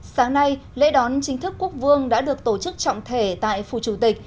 sáng nay lễ đón chính thức quốc vương đã được tổ chức trọng thể tại phủ chủ tịch